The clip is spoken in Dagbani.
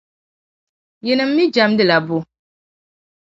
Yinim mii jεmdila bo?